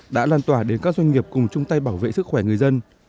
đã lan tỏa đến các doanh nghiệp cùng chung tay bảo vệ sức khỏe người dân